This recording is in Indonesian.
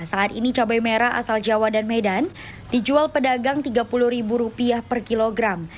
saat ini cabai merah asal jawa dan medan dijual pedagang rp tiga puluh per kilogram